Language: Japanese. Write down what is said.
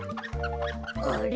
あれ？